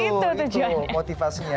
oh jadi itu tujuannya